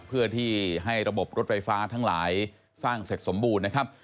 เพื่อที่ให้ระบบรถไฟฟ้าทั้งหลายสร้างเสร็จสมบูรณ์นะครับ